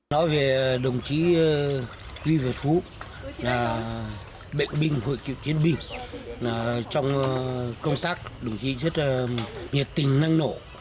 nói về đồng chí huy vật phú bệnh binh hội cựu chiến binh trong công tác đồng chí rất nhiệt tình năng nổ